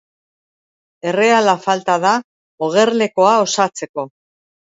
Erreala falta da ogerlekoa osatzeko.